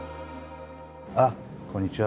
あっこんにちは